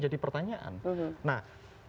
jadi pertanyaan nah